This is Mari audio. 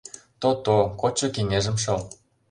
— То-то, кодшо кеҥежым шол...